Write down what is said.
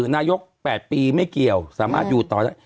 นายก๘ปีไม่เกี่ยวสามารถอยู่ต่อได้